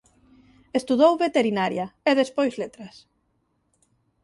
Estudou veterinaria e despois letras.